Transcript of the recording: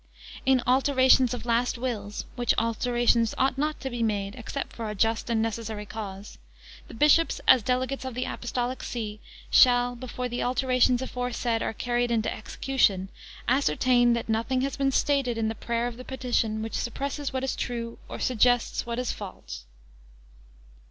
In alterations of last wills, which alterations ought not to be made except for a just and necessary cause, the bishops, as delegates of the Apostolic See, shall, before the alterations aforesaid are carried into execution, ascertain, that nothing has been stated in the prayer of the petition, which suppresses what is true, or suggests what is false.